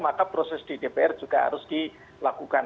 maka proses di dpr juga harus dilakukan